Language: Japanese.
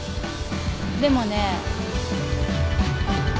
でもね。